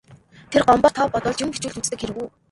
Тэр Гомбоор тоо бодуулж, юм бичүүлж үздэг хэрэг үү.